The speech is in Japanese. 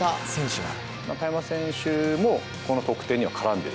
中山選手も、この得点には絡んでる。